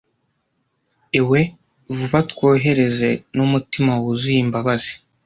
ewe vuba twohereze n'umutima wuzuye imbabazi